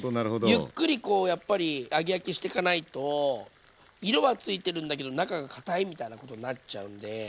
ゆっくりこうやっぱり揚げ焼きしてかないと色はついてるんだけど中がかたいみたいなことになっちゃうんで。